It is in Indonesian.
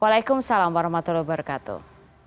waalaikumsalam warahmatullahi wabarakatuh